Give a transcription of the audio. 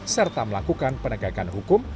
serta melakukan penegakan hukum